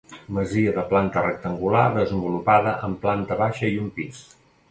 Masia de planta rectangular desenvolupada en planta baixa i un pis.